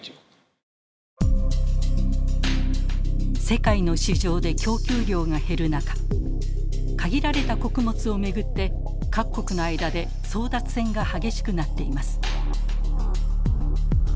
世界の市場で供給量が減る中限られた穀物を巡って各国の間で争奪戦が激しくなっています。